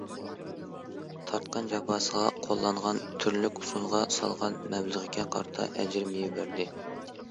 تارتقان جاپاسىغا، قوللانغان تۈرلۈك ئۇسۇلىغا، سالغان مەبلىغىگە قارىتا ئەجرى مېۋە بەردى.